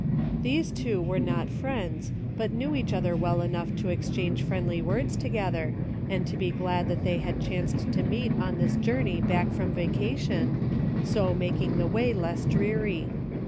These two were not friends, but knew each other well enough to exchange friendly words together and to be glad that they had chanced to meet on this journey back from vacation, so making the way less dreary.